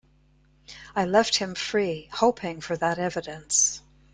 I left him free, hoping for that evidence.